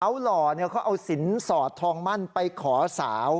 เขาหล่อเขาเอาสินสอดทองมั่นไปขอสาว